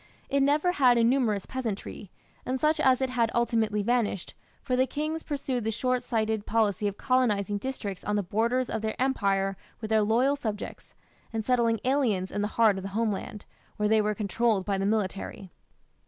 It never had a numerous peasantry, and such as it had ultimately vanished, for the kings pursued the short sighted policy of colonizing districts on the borders of their empire with their loyal subjects, and settling aliens in the heart of the homeland, where they were controlled by the military.